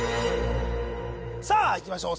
さあいきましょう